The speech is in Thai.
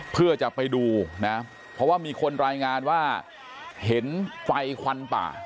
เพื่อจะไปดูนะเพราะว่ามีคนรายงานว่าเห็นไฟควันป่า